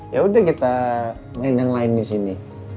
yaudah kita main yang lain disini